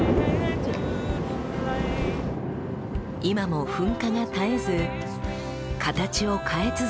今も噴火が絶えず形を変え続けている島もあります。